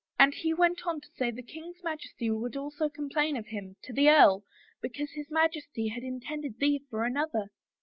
And he went on to say the king's Majesty would also complain of him, to the earl, because his Majesty had intended thee for another."